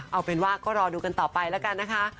เอาเป็นว่าก็รอดูกันต่อไปแล้วกันนะคะ